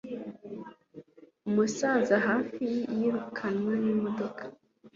Umusaza hafi yirukanwa n'imodoka